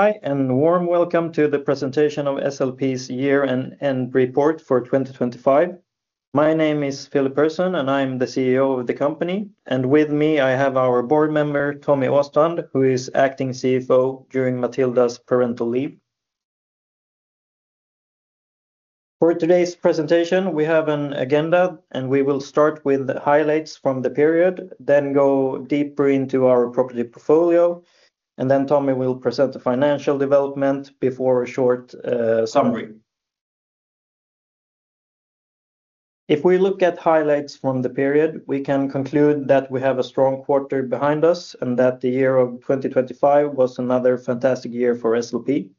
Hi, and warm welcome to the presentation of SLP's year-end report for 2025. My name is Filip Persson, and I'm the CEO of the company, and with me, I have our board member, Tommy Åstrand, who is Acting CFO during Matilda's parental leave. For today's presentation, we have an agenda, and we will start with the highlights from the period, then go deeper into our property portfolio, and then Tommy will present the financial development before a short summary. If we look at highlights from the period, we can conclude that we have a strong quarter behind us and that the year of 2025 was another fantastic year for SLP.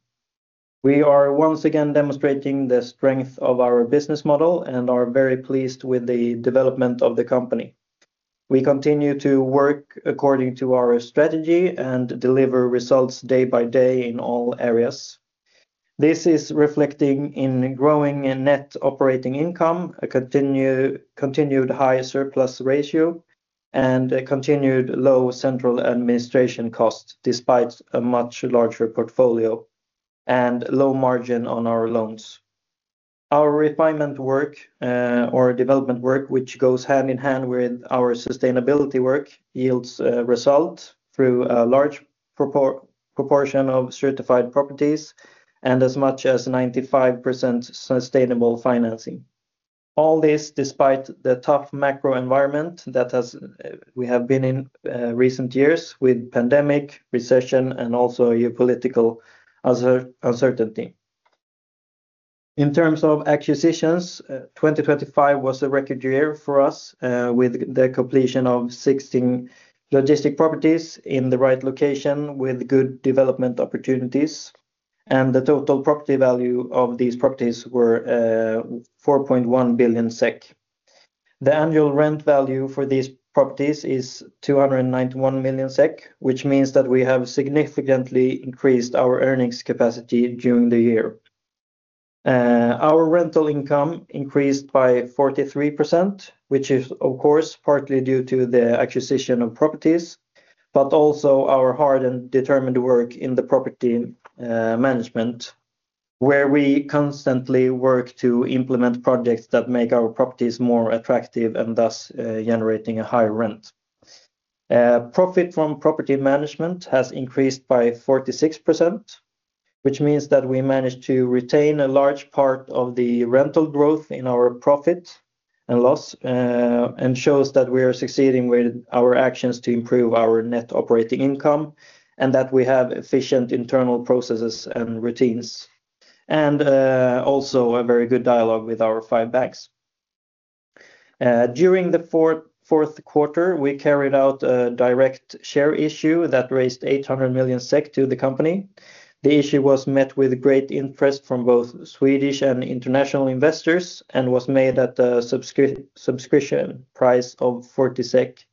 We are once again demonstrating the strength of our business model and are very pleased with the development of the company. We continue to work according to our strategy and deliver results day by day in all areas. This is reflecting in growing a net operating income, a continued high surplus ratio, and a continued low central administration cost, despite a much larger portfolio and low margin on our loans. Our refinement work or development work, which goes hand in hand with our sustainability work, yields result through a large proportion of certified properties and as much as 95% sustainable financing. All this despite the tough macro environment that we have been in recent years with pandemic, recession, and also geopolitical uncertainty. In terms of acquisitions, 2025 was a record year for us, with the completion of 16 logistics properties in the right location with good development opportunities, and the total property value of these properties were 4.1 billion SEK. The annual rent value for these properties is 291 million SEK, which means that we have significantly increased our earnings capacity during the year. Our rental income increased by 43%, which is, of course, partly due to the acquisition of properties, but also our hard and determined work in the property management, where we constantly work to implement projects that make our properties more attractive and thus generating a higher rent. Profit from property management has increased by 46%, which means that we managed to retain a large part of the rental growth in our profit and loss, and shows that we are succeeding with our actions to improve our net operating income and that we have efficient internal processes and routines, and also a very good dialogue with our five banks. During the fourth quarter, we carried out a direct share issue that raised 800 million SEK to the company. The issue was met with great interest from both Swedish and international investors and was made at a subscription price of 40 SEK,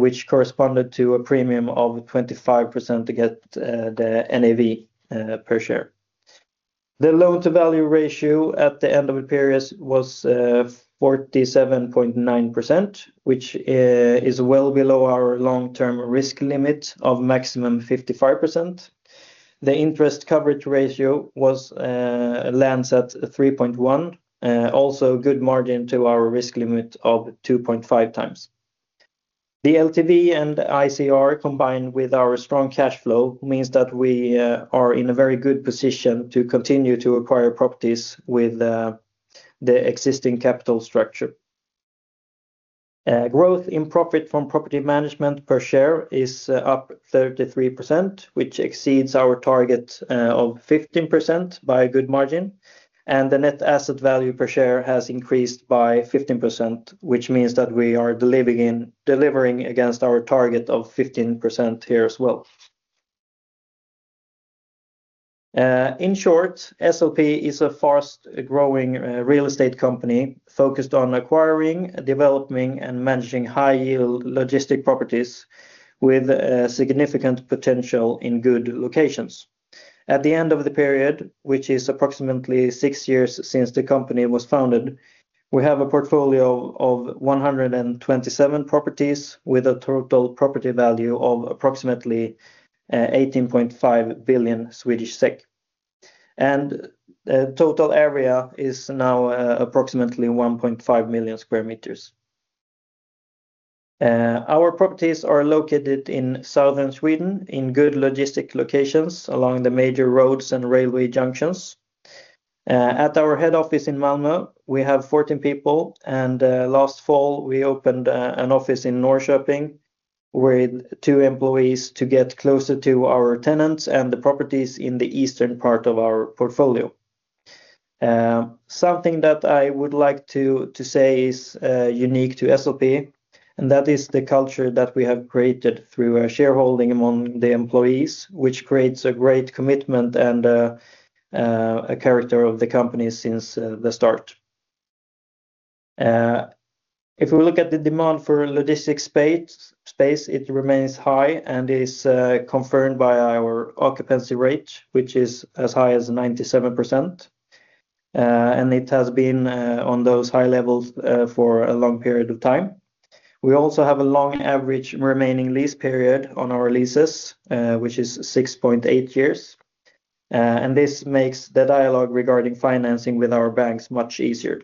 which corresponded to a premium of 25% to the NAV per share. The loan-to-value ratio at the end of the period was 47.9%, which is well below our long-term risk limit of maximum 55%. The interest coverage ratio was lands at 3.1, also good margin to our risk limit of 2.5 times. The LTV and ICR, combined with our strong cash flow, means that we are in a very good position to continue to acquire properties with the existing capital structure. Growth in profit from property management per share is up 33%, which exceeds our target of 15% by a good margin, and the net asset value per share has increased by 15%, which means that we are delivering against our target of 15% here as well. In short, SLP is a fast-growing real estate company focused on acquiring, developing, and managing high-yield logistic properties with significant potential in good locations. At the end of the period, which is approximately six years since the company was founded, we have a portfolio of 127 properties with a total property value of approximately 18.5 billion Swedish SEK, and the total area is now approximately 1.5 million square meters. Our properties are located in Southern Sweden, in good logistic locations along the major roads and railway junctions. At our head office in Malmö, we have 14 people, and last fall, we opened an office in Norrköping with two employees to get closer to our tenants and the properties in the eastern part of our portfolio. Something that I would like to say is unique to SLP, and that is the culture that we have created through a shareholding among the employees, which creates a great commitment and a character of the company since the start. If we look at the demand for logistic space, it remains high and is confirmed by our occupancy rate, which is as high as 97% and it has been on those high levels for a long period of time. We also have a long average remaining lease period on our leases, which is 6.8 years. And this makes the dialogue regarding financing with our banks much easier.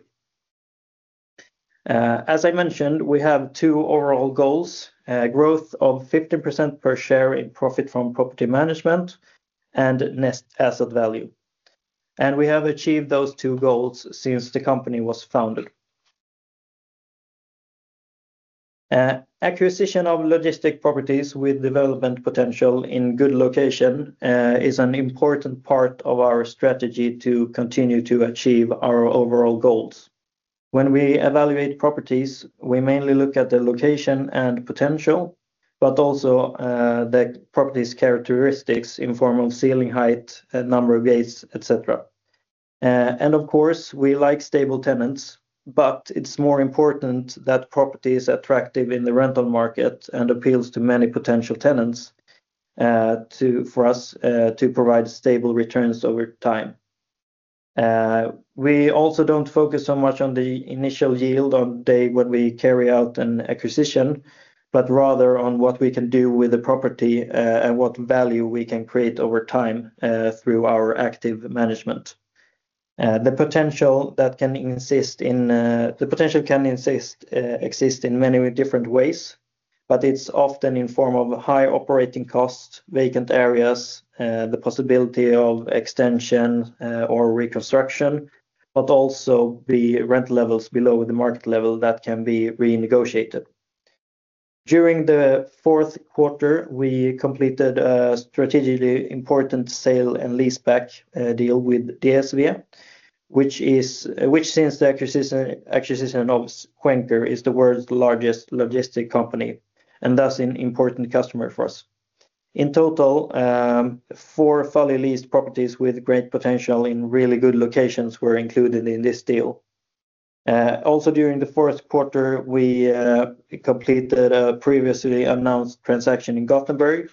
As I mentioned, we have two overall goals, growth of 15% per share in profit from property management and net asset value. We have achieved those two goals since the company was founded. Acquisition of logistics properties with development potential in good location is an important part of our strategy to continue to achieve our overall goals. When we evaluate properties, we mainly look at the location and potential, but also the property's characteristics in form of ceiling height, number of gates, et cetera. And of course, we like stable tenants, but it's more important that property is attractive in the rental market and appeals to many potential tenants for us to provide stable returns over time. We also don't focus so much on the initial yield on the day when we carry out an acquisition, but rather on what we can do with the property and what value we can create over time through our active management. The potential can exist in many different ways, but it's often in form of high operating costs, vacant areas, the possibility of extension, or reconstruction, but also the rent levels below the market level that can be renegotiated. During the fourth quarter, we completed a strategically important sale and leaseback deal with DSV, which since the acquisition of DB Schenker, is the world's largest logistics company, and thus, an important customer for us. In total, four fully leased properties with great potential in really good locations were included in this deal. Also, during the fourth quarter, we completed a previously announced transaction in Gothenburg,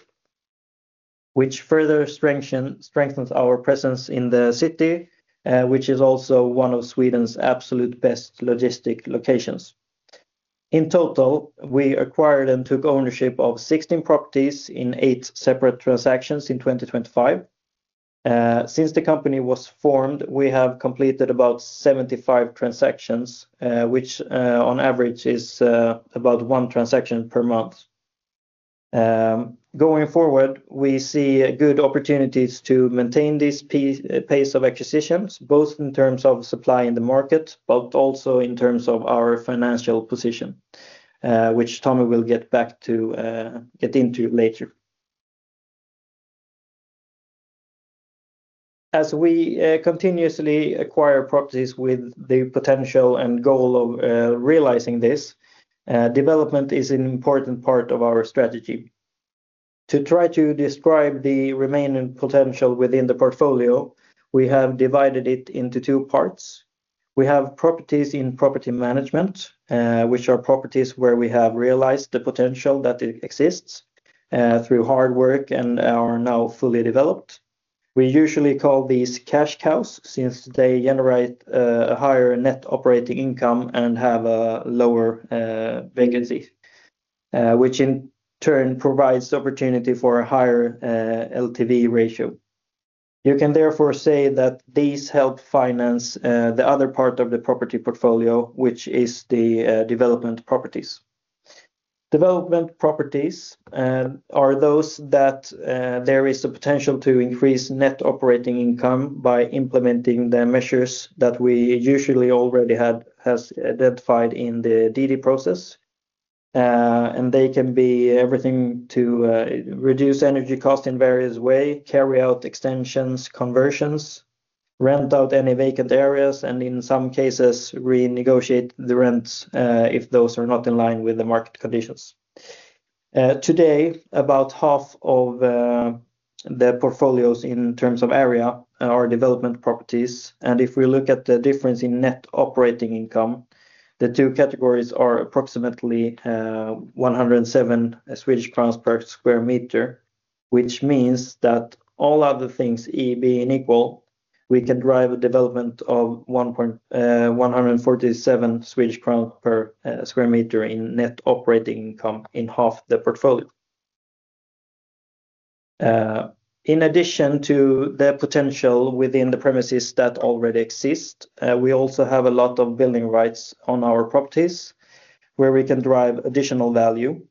which further strengthens our presence in the city, which is also one of Sweden's absolute best logistics locations. In total, we acquired and took ownership of 16 properties in eight separate transactions in 2025. Since the company was formed, we have completed about 75 transactions, which, on average is, about one transaction per month. Going forward, we see good opportunities to maintain this pace, pace of acquisitions, both in terms of supply in the market, but also in terms of our financial position, which Tommy will get back to, get into later. As we continuously acquire properties with the potential and goal of realizing this development is an important part of our strategy. To try to describe the remaining potential within the portfolio, we have divided it into two parts. We have properties in property management, which are properties where we have realized the potential that it exists, through hard work and are now fully developed. We usually call these cash cows, since they generate a higher net operating income and have a lower vacancy, which in turn provides the opportunity for a higher LTV ratio. You can therefore say that these help finance the other part of the property portfolio, which is the development properties. Development properties are those that there is the potential to increase net operating income by implementing the measures that we usually already has identified in the DD process. And they can be everything to reduce energy cost in various way, carry out extensions, conversions, rent out any vacant areas, and in some cases, renegotiate the rents if those are not in line with the market conditions. Today, about half of the portfolios in terms of area are development properties. And if we look at the difference in net operating income, the two categories are approximately 107 Swedish crowns per square meter, which means that all other things being equal, we can drive a development of 147 Swedish crowns per square meter in net operating income in half the portfolio. In addition to the potential within the premises that already exist, we also have a lot of building rights on our properties, where we can drive additional value.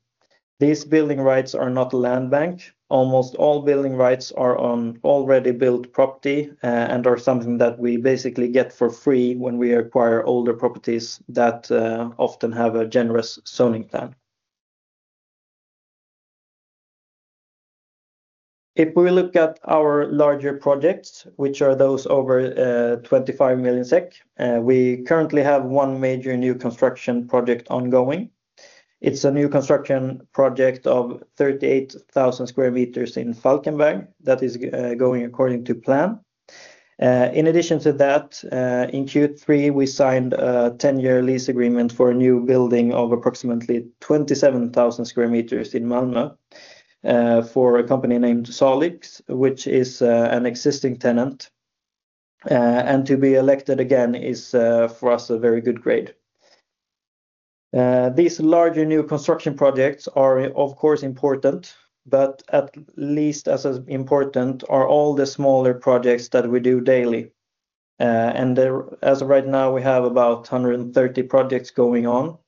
These building rights are not a land bank. Almost all building rights are on already built property, and are something that we basically get for free when we acquire older properties that often have a generous zoning plan. If we look at our larger projects, which are those over 25 million SEK, we currently have one major new construction project ongoing. It's a new construction project of 38,000 square meters in Falkenberg. That is going according to plan. In addition to that, in Q3, we signed a 10-year lease agreement for a new building of approximately 27,000 square meters in Malmö, for a company named Salix, which is an existing tenant. And to be elected again is, for us, a very good grade. These larger new construction projects are, of course, important, but at least as important are all the smaller projects that we do daily. As of right now, we have about 130 projects going on,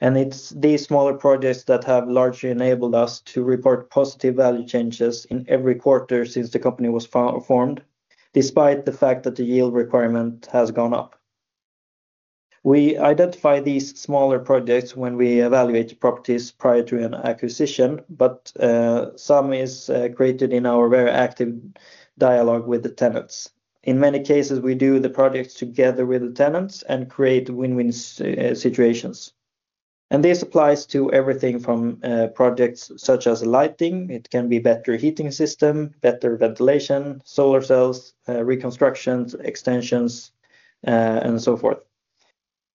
and it's these smaller projects that have largely enabled us to report positive value changes in every quarter since the company was formed, despite the fact that the yield requirement has gone up. We identify these smaller projects when we evaluate properties prior to an acquisition, but some is created in our very active dialogue with the tenants. In many cases, we do the projects together with the tenants and create win-win situations. This applies to everything from projects such as lighting. It can be better heating system, better ventilation, solar cells, reconstructions, extensions, and so forth.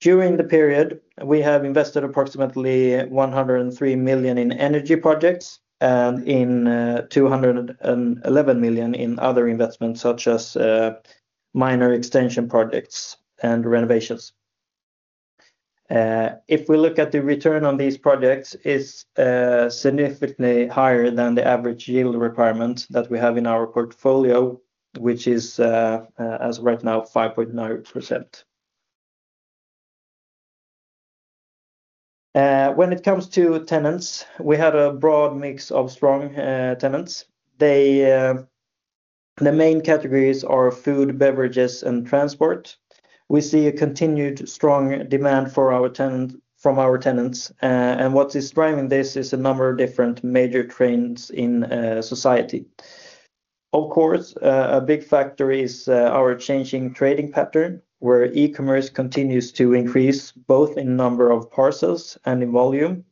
During the period, we have invested approximately 103 million in energy projects and in 211 million in other investments, such as minor extension projects and renovations. If we look at the return on these projects, it's significantly higher than the average yield requirement that we have in our portfolio, which is, as of right now, 5.9%. When it comes to tenants, we have a broad mix of strong tenants. The main categories are food, beverages, and transport. We see a continued strong demand from our tenants, and what is driving this is a number of different major trends in society. Of course, a big factor is our changing trading pattern, where e-commerce continues to increase, both in number of parcels and in volume.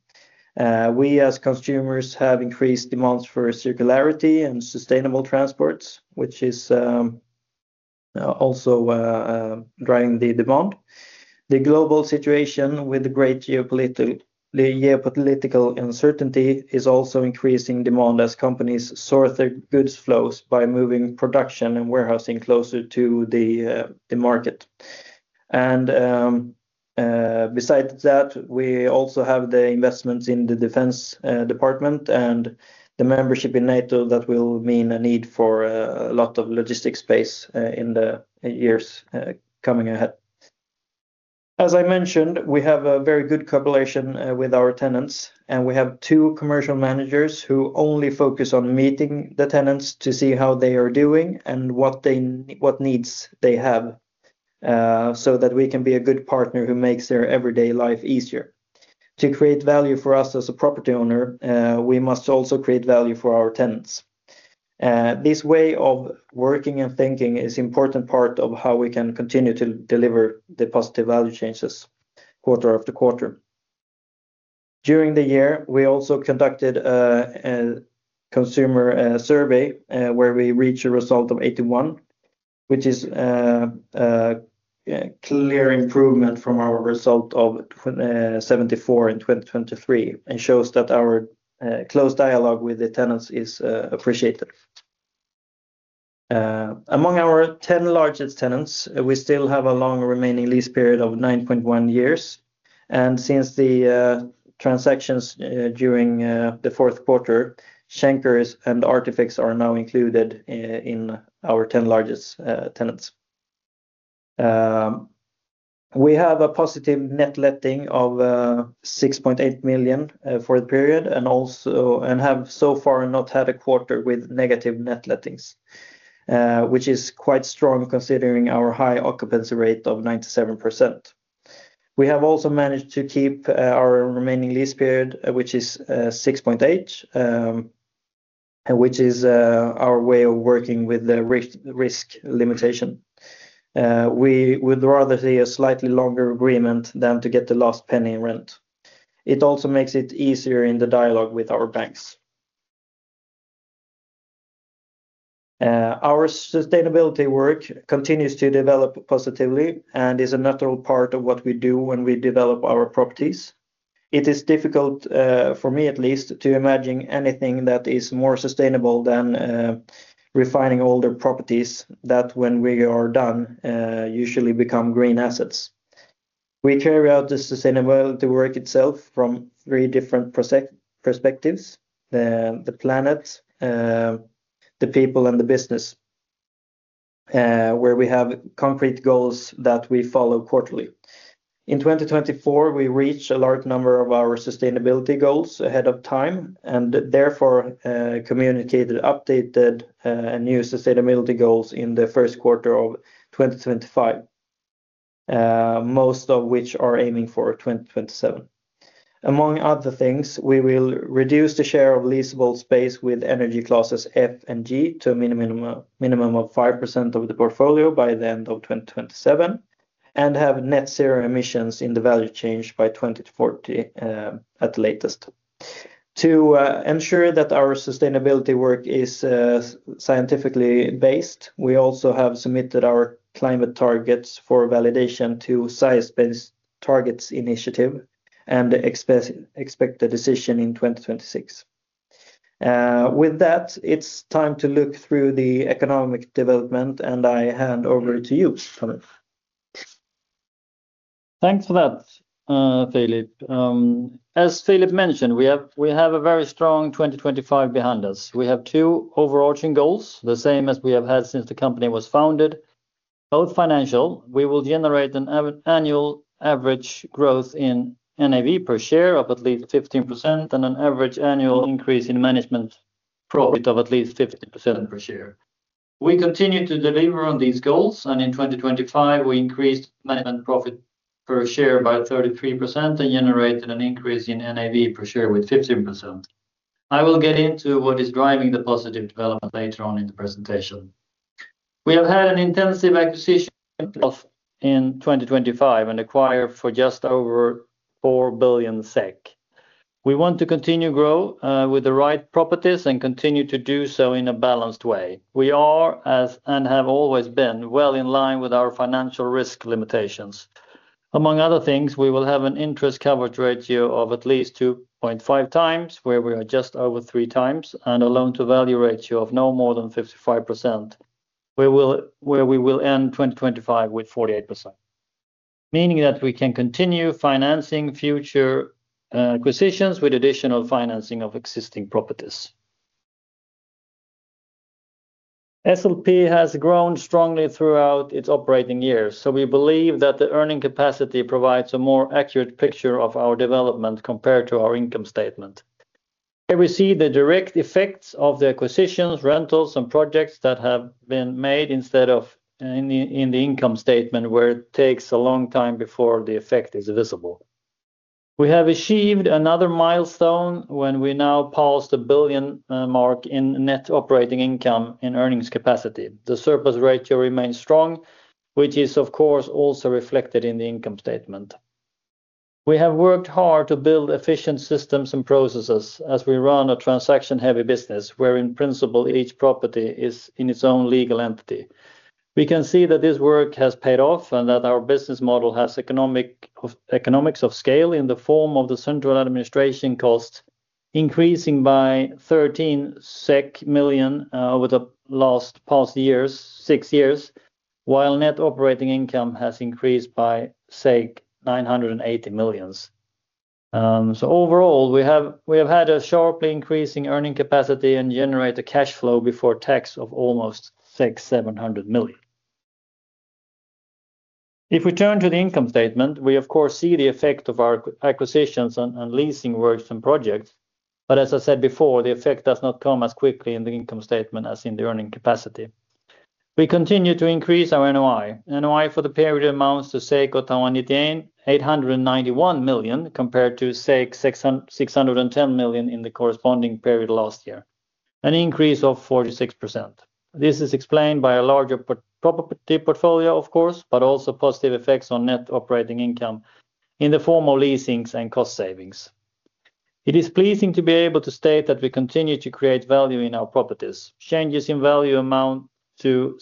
We, as consumers, have increased demands for circularity and sustainable transports, which is also driving the demand. The global situation with the great geopolitical uncertainty is also increasing demand as companies sort their goods flows by moving production and warehousing closer to the market. Besides that, we also have the investments in the defense department and the membership in NATO. That will mean a need for a lot of logistic space in the years coming ahead. As I mentioned, we have a very good collaboration with our tenants, and we have two commercial managers who only focus on meeting the tenants to see how they are doing and what needs they have, so that we can be a good partner who makes their everyday life easier. To create value for us as a property owner, we must also create value for our tenants. This way of working and thinking is important part of how we can continue to deliver the positive value changes quarter after quarter. During the year, we also conducted a consumer survey, where we reached a result of 81, which is a clear improvement from our result of 74 in 2023, and shows that our close dialogue with the tenants is appreciated. Among our 10 largest tenants, we still have a long remaining lease period of 9.1 years, and since the transactions during the fourth quarter, Schenker and Ahlsell are now included in our 10 largest tenants. We have a positive net letting of 6.8 million for the period, and also have so far not had a quarter with negative net lettings, which is quite strong, considering our high occupancy rate of 97%. We have also managed to keep our remaining lease period, which is 6.8, which is our way of working with the risk, risk limitation. We would rather see a slightly longer agreement than to get the last penny in rent. It also makes it easier in the dialogue with our banks. Our sustainability work continues to develop positively and is a natural part of what we do when we develop our properties. It is difficult, for me at least, to imagine anything that is more sustainable than refining older properties, that when we are done, usually become green assets. We carry out the sustainability work itself from three different perspectives: the planet, the people, and the business, where we have concrete goals that we follow quarterly. In 2024, we reached a large number of our sustainability goals ahead of time and therefore communicated updated and new sustainability goals in the first quarter of 2025, most of which are aiming for 2027. Among other things, we will reduce the share of leasable space with energy classes F and G to a minimum of 5% of the portfolio by the end of 2027 and have net zero emissions in the value chain by 2040 at the latest. To ensure that our sustainability work is scientifically based, we also have submitted our climate targets for validation to Science Based Targets initiative and expect a decision in 2026. With that, it's time to look through the economic development, and I hand over to you, Tommy. Thanks for that, Filip. As Filip mentioned, we have, we have a very strong 2025 behind us. We have two overarching goals, the same as we have had since the company was founded, both financial. We will generate an annual average growth in NAV per share of at least 15% and an average annual increase in management profit of at least 50% per share. We continue to deliver on these goals, and in 2025, we increased management profit per share by 33% and generated an increase in NAV per share with 15%. I will get into what is driving the positive development later on in the presentation. We have had an intensive acquisition offensive in 2025 and acquired for just over 4 billion SEK. We want to continue grow with the right properties and continue to do so in a balanced way. We are as, and have always been, well in line with our financial risk limitations. Among other things, we will have an interest coverage ratio of at least 2.5x, where we are just over 3x, and a loan-to-value ratio of no more than 55%. We will end 2025 with 48%, meaning that we can continue financing future acquisitions with additional financing of existing properties. SLP has grown strongly throughout its operating years, so we believe that the earning capacity provides a more accurate picture of our development compared to our income statement. Here we see the direct effects of the acquisitions, rentals, and projects that have been made instead of in the income statement, where it takes a long time before the effect is visible. We have achieved another milestone when we now passed a billion mark in net operating income in earnings capacity. The surplus ratio remains strong, which is, of course, also reflected in the income statement. We have worked hard to build efficient systems and processes as we run a transaction-heavy business, where in principle, each property is in its own legal entity. We can see that this work has paid off and that our business model has economics of scale in the form of the central administration cost increasing by 13 million SEK over the last six years, while net operating income has increased by 980 million. So overall, we have had a sharply increasing earning capacity and generated cash flow before tax of almost 670 million. If we turn to the income statement, we of course see the effect of our acquisitions and leasing works and projects, but as I said before, the effect does not come as quickly in the income statement as in the earning capacity. We continue to increase our NOI. NOI for the period amounts to 891 million, compared to 610 million in the corresponding period last year, an increase of 46%. This is explained by a larger property portfolio, of course, but also positive effects on net operating income in the form of leasings and cost savings. It is pleasing to be able to state that we continue to create value in our properties. Changes in value amount to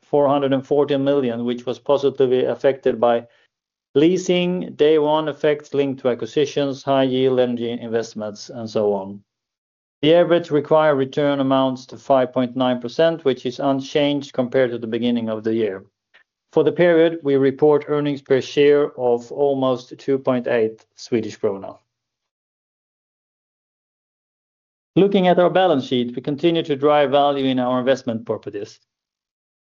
440 million, which was positively affected by leasing, day one effects linked to acquisitions, high yield energy investments, and so on. The average required return amounts to 5.9%, which is unchanged compared to the beginning of the year. For the period, we report earnings per share of almost 2.8 Swedish krona. Looking at our balance sheet, we continue to drive value in our investment properties.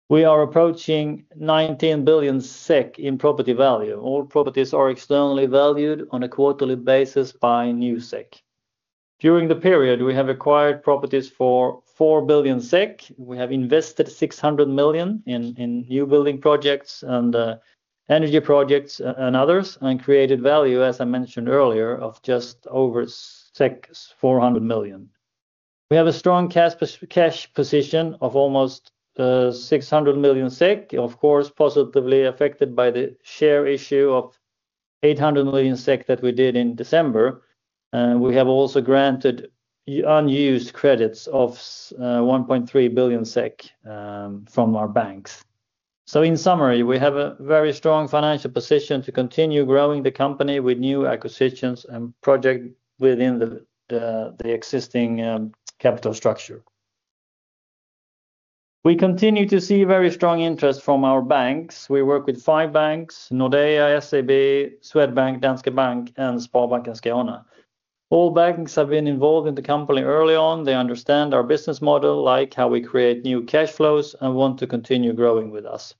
We are approaching 19 billion SEK in property value. All properties are externally valued on a quarterly basis by Newsec. During the period, we have acquired properties for 4 billion SEK. We have invested 600 million in new building projects and energy projects and others, and created value, as I mentioned earlier, of just over 400 million. We have a strong cash position of almost 600 million SEK, of course, positively affected by the share issue of 800 million SEK that we did in December. And we have also granted unused credits of 1.3 billion SEK from our banks. So in summary, we have a very strong financial position to continue growing the company with new acquisitions and project within the existing capital structure. We continue to see very strong interest from our banks. We work with five banks, Nordea, SEB, Swedbank, Danske Bank, and Sparbanken Skåne. All banks have been involved in the company early on. They understand our business model, like how we create new cash flows and want to continue growing with us.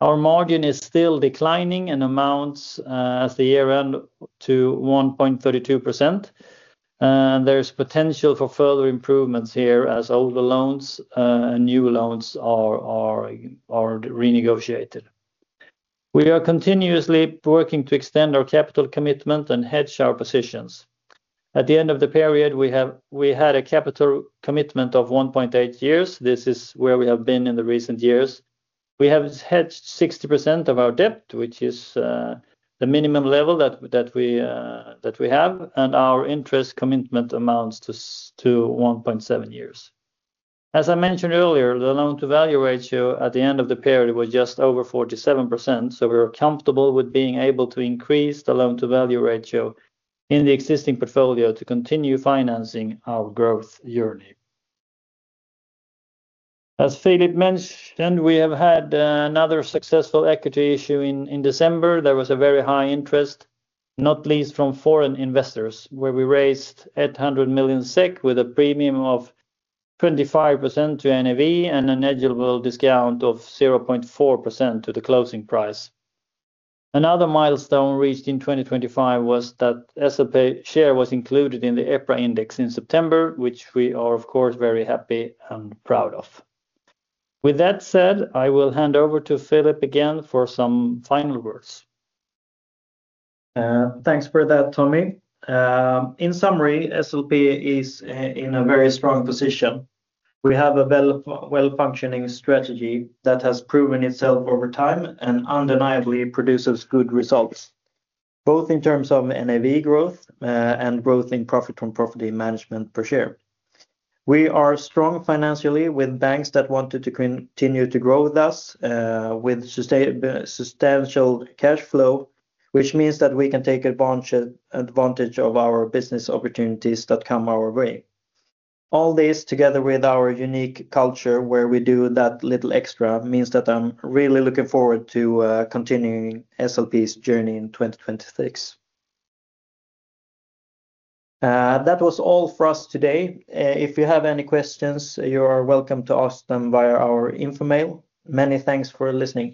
Our margin is still declining and amounts as the year end to 1.32%. And there's potential for further improvements here as older loans and new loans are renegotiated. We are continuously working to extend our capital commitment and hedge our positions. At the end of the period, we had a capital commitment of 1.8 years. This is where we have been in the recent years. We have hedged 60% of our debt, which is, the minimum level that, that we, that we have, and our interest commitment amounts to to 1.7 years. As I mentioned earlier, the loan-to-value ratio at the end of the period was just over 47%, so we're comfortable with being able to increase the loan-to-value ratio in the existing portfolio to continue financing our growth journey. As Filip mentioned, we have had, another successful equity issue in, in December. There was a very high interest, not least from foreign investors, where we raised 800 million SEK with a premium of 25% to NAV and an negligible discount of 0.4% to the closing price. Another milestone reached in 2025 was that SLP share was included in the EPRA Index in September, which we are of course, very happy and proud of. With that said, I will hand over to Filip again for some final words. Thanks for that, Tommy. In summary, SLP is in a very strong position. We have a well-functioning strategy that has proven itself over time and undeniably produces good results, both in terms of NAV growth, and growth in profit from property management per share. We are strong financially with banks that wanted to continue to grow with us, with substantial cash flow, which means that we can take advantage of our business opportunities that come our way. All this together with our unique culture, where we do that little extra, means that I'm really looking forward to continuing SLP's journey in 2026. That was all for us today. If you have any questions, you are welcome to ask them via our info mail. Many thanks for listening.